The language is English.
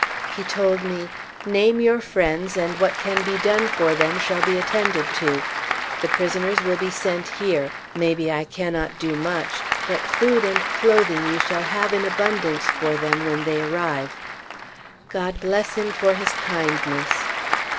He told me, "Name your friends, and what can be done for them shall be attended to. The prisoners will be sent here. Maybe I cannot do much; but food and clothing you shall have in abundance for them when they arrive." God bless him for his kindness!